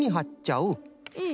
うん。